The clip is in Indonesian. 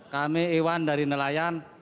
kami iwan dari nelayan